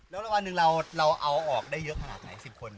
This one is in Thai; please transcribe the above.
แล้วรางวัลหนึ่งเราเอาออกได้เยอะขนาดไหน๑๐คน